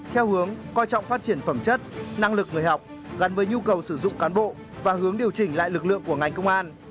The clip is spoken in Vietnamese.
theo hướng coi trọng phát triển phẩm chất năng lực người học gắn với nhu cầu sử dụng cán bộ và hướng điều chỉnh lại lực lượng của ngành công an